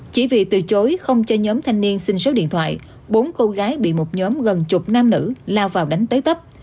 chỉ vì từ chối không cho nhóm thanh niên xin số điện thoại bốn cô gái bị một nhóm gần chục nam nữ lao vào đánh tới tấp